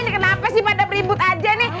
ini kenapa sih pada beribut aja nih